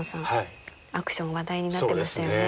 アクション話題になってましたよね。